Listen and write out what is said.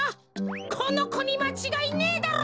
このこにまちがいねえだろう？